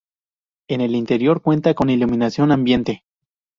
En el interior cuenta con iluminación ambiente.